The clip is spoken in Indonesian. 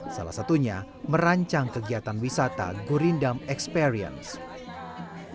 salah satunya merancang kegiatan wisata gurindam experience